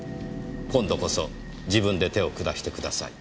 今度こそ自分で手を下してください」